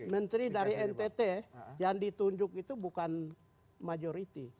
menteri dari ntt yang ditunjuk itu bukan majority